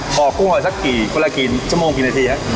อกกุ้งหน่อยสักกี่คนละกี่ชั่วโมงกี่นาทีครับ